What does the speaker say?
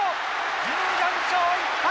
１４勝１敗。